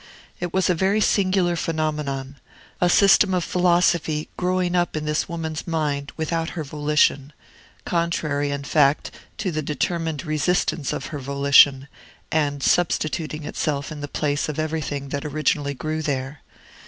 It was a very singular phenomenon: a system of philosophy growing up in thus woman's mind without her volition, contrary, in fact, to the determined resistance of her volition, and substituting itself in the place of everything that originally grew there.